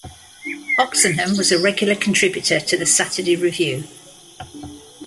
Oxenham was a regular contributor to the "Saturday Review".